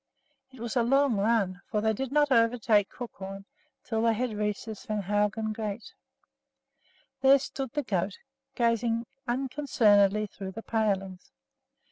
It was a long run, for they did not overtake Crookhorn until they had reached the Svehaugen gate. There stood the goat gazing unconcernedly through the palings.